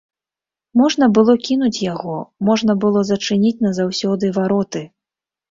Можна было кінуць яго, можна было зачыніць назаўсёды вароты.